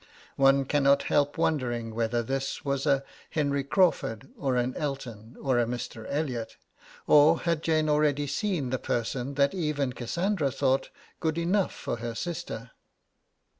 One cannot help wondering whether this was a Henry Crawford or an Elton or a Mr. Elliot, or had Jane already seen the person that even Cassandra thought good enough for her sister?